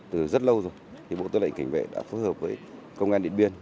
từ rất lâu rồi bộ tư lệnh cảnh vệ đã phối hợp với công an điện biên